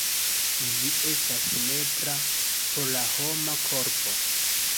Ĝi estas nepra por la homa korpo.